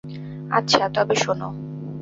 আচ্ছা, তবে শোনো।